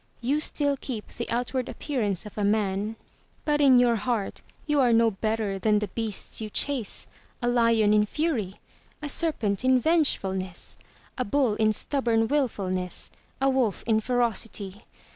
You still keep the outward appearance of a man. 331 MY BOOK HOUSE but in your heart you are no better than the beasts you chase — a Hon in fury, a serpent in vengefulness, a bull in stubborn wil fulness, a wolf in ferocity.